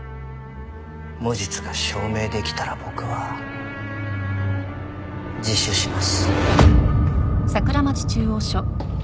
無実が証明できたら僕は自首します。